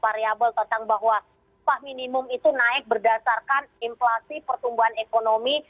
ada variabel tentang bahwa pah minimum itu naik berdasarkan inflasi pertumbuhan ekonomi